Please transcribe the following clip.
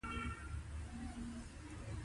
ازادي راډیو د کډوال په اړه د خلکو پوهاوی زیات کړی.